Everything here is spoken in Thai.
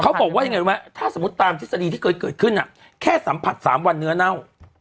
เขาบอกว่ายังไงรู้ไหมถ้าสมมุติตามทฤษฎีที่เคยเกิดขึ้นแค่สัมผัส๓วันเนื้อเน่า